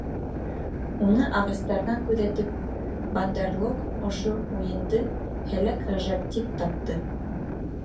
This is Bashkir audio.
Уны ағастарҙан күҙәтеп, Бандар-лог ошо «уйын»ды һәләк ғәжәп тип тапты.